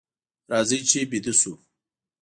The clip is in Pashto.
راځئ چې ویده شو.